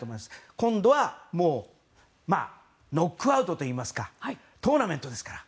今度は、もうノックアウトといいますかトーナメントですから。